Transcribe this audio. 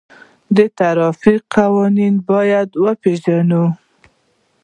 د ترافیکو قوانین باید وپیژنو.